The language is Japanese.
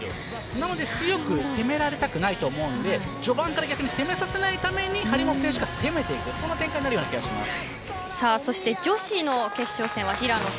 なので、強く攻められたくないと思うので序盤から攻めさせないために張本選手が攻めるそんな展開になる気がします。